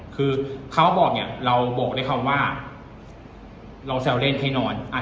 คือเขาบอกเนี้ยเราบอกเลยเขาว่าเราแสวเล่นใครนอนอ่ะ